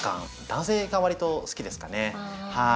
男性がわりと好きですかね。